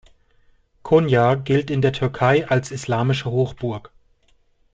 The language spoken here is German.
Konya gilt in der Türkei als islamische Hochburg.